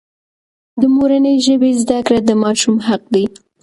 د مورنۍ ژبې زده کړه د ماشوم حق دی.